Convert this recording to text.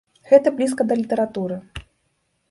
Гэта блізка да літаратуры.